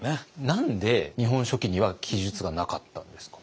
何で「日本書紀」には記述がなかったんですか？